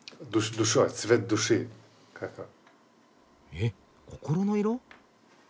え心の色？